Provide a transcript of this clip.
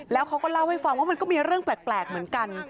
แล้วเขาก็เล่าให้ฟังว่ามันก็มีเรื่องแปลกเหมือนกัน